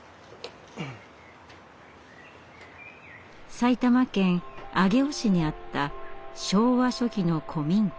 埼玉県上尾市にあった昭和初期の古民家。